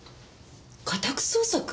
家宅捜索！？